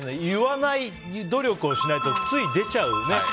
言わない努力をしないとつい出ちゃうね。